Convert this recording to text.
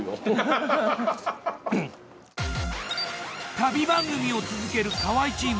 旅番組を続ける河合チーム。